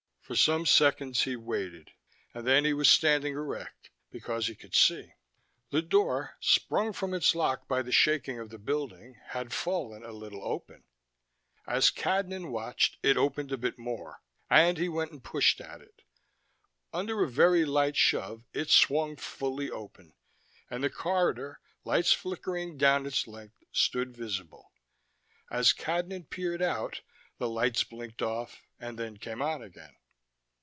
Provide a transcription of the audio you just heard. For some seconds he waited, and then he was standing erect, because he could see. The door, sprung from its lock by the shaking of the building, had fallen a little open. As Cadnan watched, it opened a bit more, and he went and pushed at it. Under a very light shove, it swung fully open, and the corridor, lights flickering down its length, stood visible. As Cadnan peered out, the lights blinked off, and then came on again.